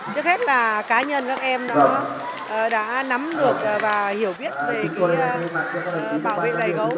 trước hết là cá nhân các em đã nắm được và hiểu biết về bảo vệ loại cấu